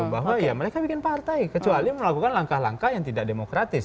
bahwa ya mereka bikin partai kecuali melakukan langkah langkah yang tidak demokratis